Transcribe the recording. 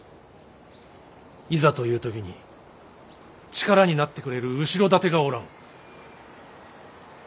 いざという時に力になってくれる後ろ盾がおらん。